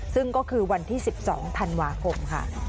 ซึ่งก็คือวันที่๑๒ธันวาคมค่ะ